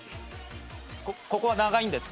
ここは長いんですか？